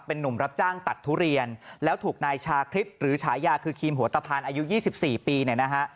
เป็นนุ่มรับจ้างตัดทุเรียนแล้วถูกนายชาคริสต์หรือฉายาคือครีมหัวตะพานอายุ๒๔ปีเนี่ยนะฮะ